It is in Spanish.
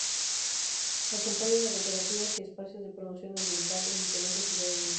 Acompañan a cooperativas y espacios de promoción ambiental en diferentes ciudades del país.